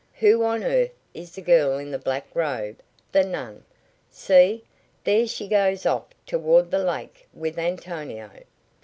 "Who on earth is the girl in the black robe the nun? See, there she goes off toward the lake with Antonio."